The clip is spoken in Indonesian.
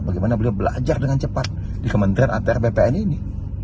bagaimana beliau belajar dengan cepat di kementerian atr bpn ini